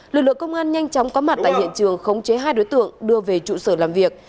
lực lượng công an nhanh chóng có mặt tại hiện trường khống chế hai đối tượng đưa về trụ sở làm việc